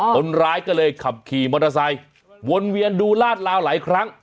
คนร้ายก็เลยขับขี่มอเตอร์ไซค์วนเวียนดูลาดลาวหลายครั้ง